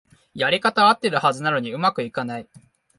やり方はあってるはずなのに上手くいかない